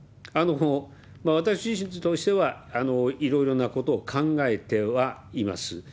私自身としては、いろいろなことを考えてはいます。